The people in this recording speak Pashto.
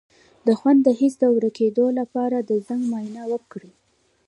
د خوند د حس د ورکیدو لپاره د زنک معاینه وکړئ